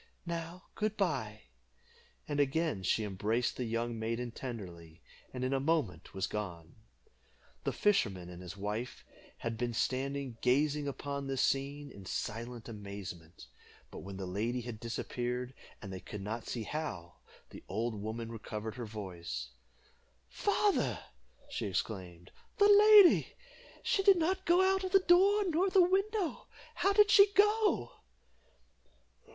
Now, good bye;" and again she embraced the young maiden tenderly, and in a moment was gone. The fisherman and his wife had been standing gazing upon this scene in silent amazement; but when the lady had disappeared, and they could not see how, the old woman recovered her voice "Father," she exclaimed, "the lady! she did not go out at the door, nor the window; how did she go?"